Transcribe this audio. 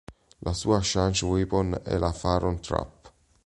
La sua Charge Weapon è la Pharaoh Trap.